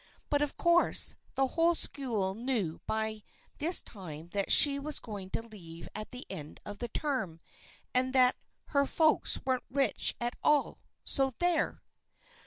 But, of course, the whole school knew by this time that she was going to leave at the end of the term, and that "her folks weren't rich at all, so there!"